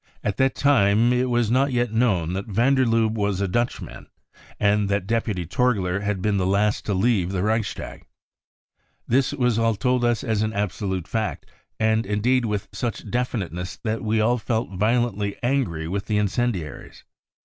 *" At that time it was not yet known that van der Lubbc was a Dutchman and that deputy Torgler had been the t r THE REAL INCENDIARIES 1 17 last to leave the Reichstag, This was all told us as an absolute fact, and indeed with such definiteness that we all felt violently angry with the incendiaries.